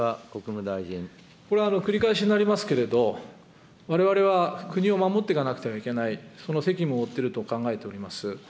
これは繰り返しになりますけれども、われわれは国を守っていかなくてはいけない、その責務を負っていると考えております。